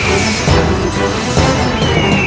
sebelum kena sayang